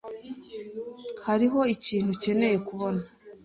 Hariho ikintu ukeneye kubona.